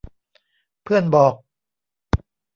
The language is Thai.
เพื่อนบอก